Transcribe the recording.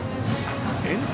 遠投。